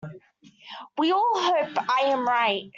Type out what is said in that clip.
We all hope I am right.